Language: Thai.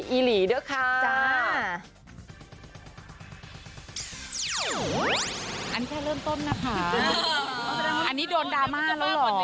อีหลีด้วยค่ะอันนี้แค่เริ่มต้นนะคะอันนี้โดนดราม่าแล้วเหรอ